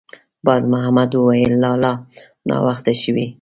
باز محمد ویې ویل: «لالا! ناوخته شوې.»